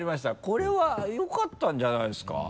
これはよかったんじゃないですか？